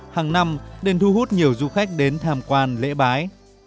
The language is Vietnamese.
hàng năm đền thu hút nhiều du khách đến tham quan lễ bái